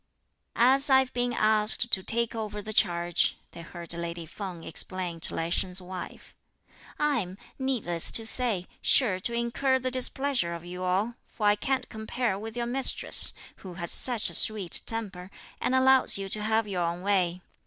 "As I've been asked to take over the charge," they heard lady Feng explain to Lai Sheng's wife, "I'm, needless to say, sure to incur the displeasure of you all, for I can't compare with your mistress, who has such a sweet temper, and allows you to have your own way.